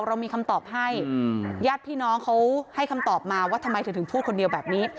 เรามีคำตอบให้ญาติพี่น้องเขาให้คำตอบมาว่าทำไมเธอถึงพูดคนเดียวแบบนี้